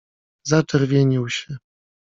” Zaczerwienił się.